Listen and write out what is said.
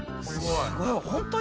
すごい！